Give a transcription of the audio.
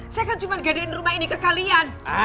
saya kan cuma gadiin rumah ini ke kalian